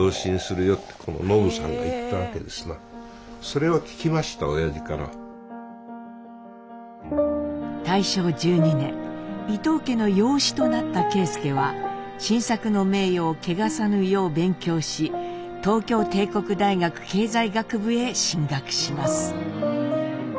それはですね大正１２年伊藤家の養子となった啓介は新作の名誉を汚さぬよう勉強し東京帝国大学経済学部へ進学します。